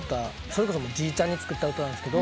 それこそじいちゃんに作った歌なんですけど